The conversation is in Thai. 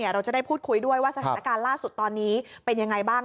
เราจะได้พูดคุยด้วยว่าสถานการณ์ล่าสุดตอนนี้เป็นยังไงบ้าง